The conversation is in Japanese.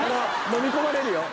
のみ込まれるよ。